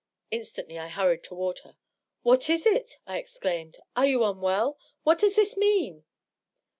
Instantly I hurried toward her. " What is it?" I exclaimed. " Are you unwell? What does this mean?"